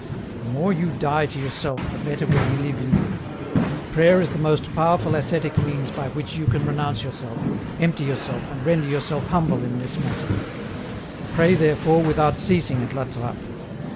The more you die to yourself the better will He live in you. Prayer is the most powerful ascetic means EN ROUTE. 143 by which you can renounce yourself, empty yourself and render yourself humble in this matter ; pray therefore with out ceasing at La Trappe.